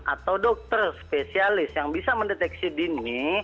atau dokter spesialis yang bisa mendeteksi dini